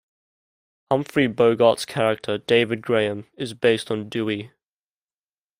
Humphrey Bogart's character, David Graham, is based on Dewey.